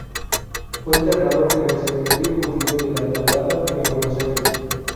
Fue enterrado en el cementerio judío de La Tablada, en Buenos Aires.